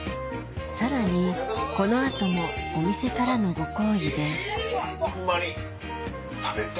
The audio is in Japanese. さらにこの後もお店からのご厚意でホンマに食べて。